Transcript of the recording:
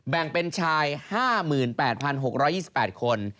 แบ่งเป็นชาย๕๘๖๒๘คน